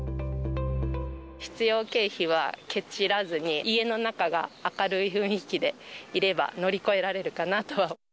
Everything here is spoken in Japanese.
必要経費はけちらずに、家の中が明るい雰囲気でいれば、乗り越えられるかなと。